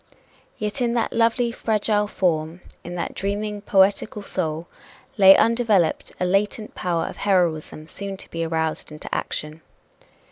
Yet in that lovely, fragile form, in that dreaming, poetical soul, lay undeveloped a latent power of heroism soon to be aroused into action.